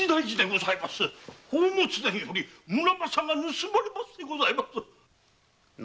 宝物殿より村正が盗まれましてございます。